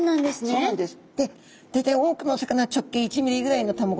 そうなんですね。